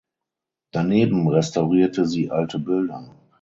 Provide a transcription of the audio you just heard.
Daneben restaurierte sie alte Bilder.